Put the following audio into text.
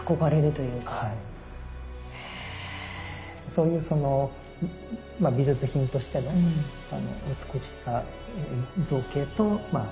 そういうその美術品としての美しさ造形とまあ